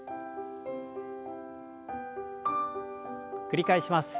繰り返します。